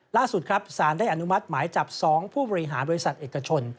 ล่าสุดครับสารได้อนุมัติหมายจับ๒ผู้บริหารบริษัทเอกชน